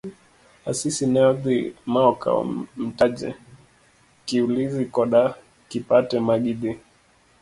Asisi ne odhi ma okawo Mtaje. Kiulizi koda Kipate magidhi.